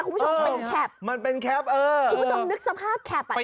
คุณผู้ชมเป็นแคปมันเป็นแคปเออคุณผู้ชมนึกสภาพแคปอ่ะ